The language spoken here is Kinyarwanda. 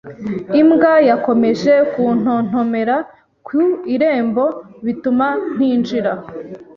Imbwa yakomeje kuntontomera ku irembo, bituma ntinjira